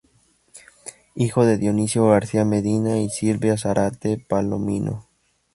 Hijo de Dionisio García Medina y Silvia Zárate Palomino.